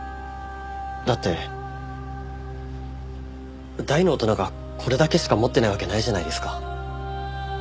だって大の大人がこれだけしか持ってないわけないじゃないですか。